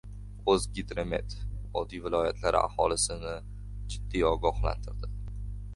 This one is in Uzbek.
«O‘zgidromet» vodiy viloyatlari aholisini jiddiy ogohlantirdi